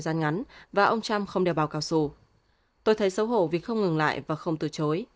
gian ngắn và ông trump không đều báo cáo xù tôi thấy xấu hổ vì không ngừng lại và không từ chối